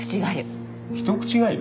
一口がゆ？